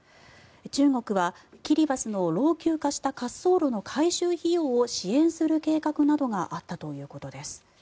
中国はキリバスの老朽化した滑走路の改修費用を支援する計画などがあったということです。